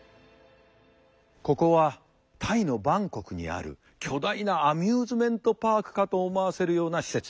ここはタイのバンコクにある巨大なアミューズメントパークかと思わせるような施設。